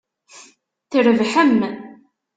Trebḥem.